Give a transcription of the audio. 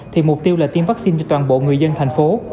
thì mục tiêu là tiêm vaccine cho toàn bộ người dân thành phố